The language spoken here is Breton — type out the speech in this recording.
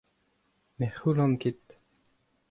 Ne c'houllan ket.